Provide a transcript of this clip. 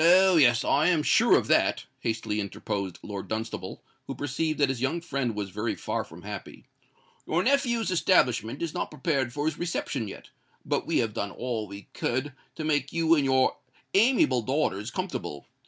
"Oh! yes—I am sure of that," hastily interposed Lord Dunstable, who perceived that his young friend was very far from happy. "Your nephew's establishment is not prepared for his reception yet; but we have done all we could to make you and your amiable daughters comfortable.